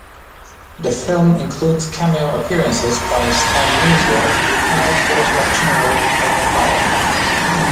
The film includes cameo appearances by Stan Musial and retired four-star general, Colin Powell.